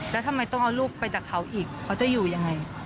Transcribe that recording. แล้วทำไมต้องเอาลูกไปจากเขาอีกเขาจะอยู่ยังไง